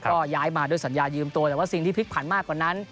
ก็ย้ายมาด้วยสัญญายืมตัวแต่ว่าสิ่งที่พลิกผันมากกว่านั้น